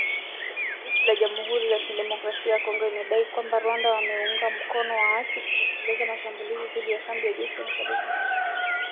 Jeshi la Jamuhuri ya kidemokrasia ya Kongo limedai kwamba Rwanda inawaunga mkono waasi kutekeleza mashambulizi dhidi ya kambi za jeshi mashariki mwa nchi hiyo